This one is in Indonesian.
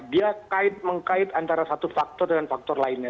dia mengkait antara satu faktor dengan faktor lainnya